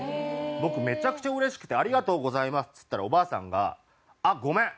僕めちゃくちゃうれしくて「ありがとうございます」っつったらおばあさんが「あっごめん！